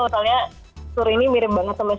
misalnya sur ini mirip banget sama aku